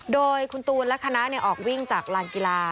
โดยคุณตูนและคณะออกวิ่งจากลานกีฬา